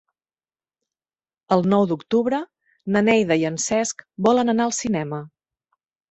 El nou d'octubre na Neida i en Cesc volen anar al cinema.